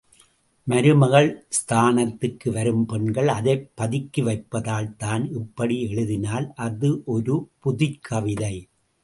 மருமகள் ஸ்தானத்துக்கு வரும் பெண்கள் அதைப் பதுக்கி வைப்பதால் தான் இப்படி எழுதினால் அது ஒரு புதுக்கவிதை.